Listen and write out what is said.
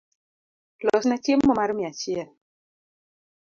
Losna chiemo mar mia achiel